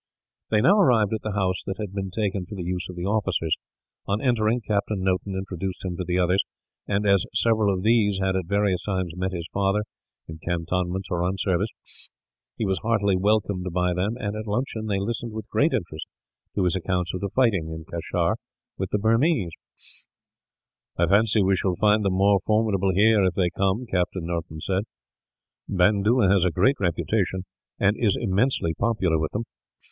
They now arrived at the house that had been taken for the use of the officers. On entering, Captain Noton introduced him to the others and, as several of these had at various times met his father, in cantonments or on service, he was heartily welcomed by them and, at luncheon, they listened with great interest to his accounts of the fighting, in Cachar, with the Burmese. "I fancy we shall find them more formidable, here, if they come," Captain Noton said. "Bandoola has a great reputation, and is immensely popular with them.